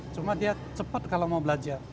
cuma dia cepat kalau mau belajar